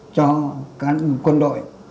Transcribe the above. cho quân đội